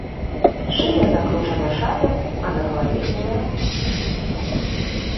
Шыя закручана шалем, а на галаве белая хустка.